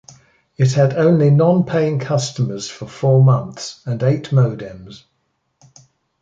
It had only non-paying customers for four months and eight modems.